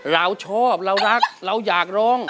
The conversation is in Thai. เราชอบเรารักเราอยากร้อง